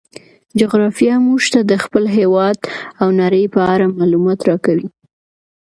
جغرافیه موږ ته د خپل هیواد او نړۍ په اړه معلومات راکوي.